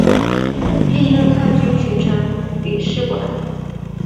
历任汉军巡城理事官。